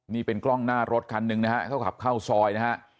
นี่เป็นกล้องหน้ารถคันหนึ่งนะฮะเขาขับเข้าซอยนะฮะ